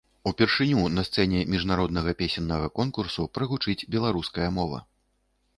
Упершыню на сцэне міжнароднага песеннага конкурсу прагучыць беларуская мова.